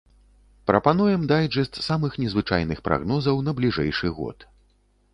Прапануем дайджэст самых незвычайных прагнозаў на бліжэйшы год.